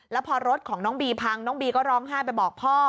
แล้วพอรถของน้องบีพังน้องบีก็ร้องไห้ไปบอกพ่อ